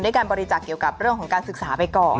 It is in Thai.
การบริจาคเกี่ยวกับเรื่องของการศึกษาไปก่อน